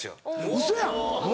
ウソやん！